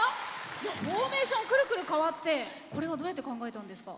フォーメーションくるくる変わってこれはどうやって考えたんですか？